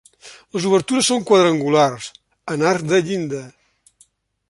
Les obertures són quadrangulars, en arc de llinda.